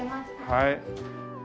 はい。